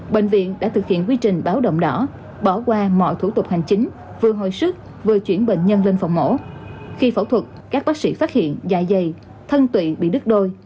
bệnh viện đã thực hiện quy trình báo động đỏ bỏ qua mọi thủ tục hành chính vừa hồi sức vừa chuyển bệnh nhân lên phòng mổ